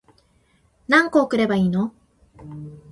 何個送ればいいの